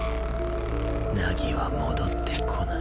凪は戻ってこない。